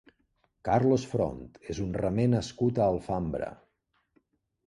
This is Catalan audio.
Carlos Front és un remer nascut a Alfambra.